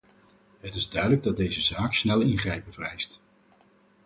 Het is duidelijk dat deze zaak snel ingrijpen vereist.